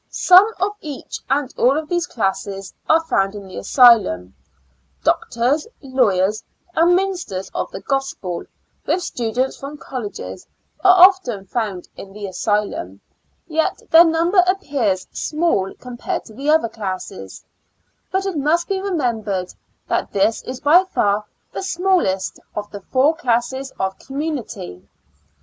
Some of each and all of these classes are found in the asylum — doctors, lawyers and ministers of the gospel, with students from colleges, are often found in the asylum; yet their number appears small compared to the other classes, but it must be remem bered that this is by far the smallest of the four classes of community.